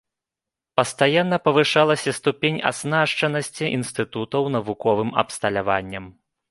Пастаянна павышалася ступень аснашчанасці інстытутаў навуковым абсталяваннем.